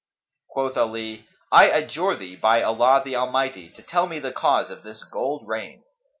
Quoth Ali, "I adjure thee, by Allah the Almighty, to tell me the cause of this gold rain."